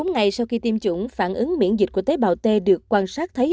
một mươi ngày sau khi tiêm chủng phản ứng miễn dịch của tế bào t được quan sát thấy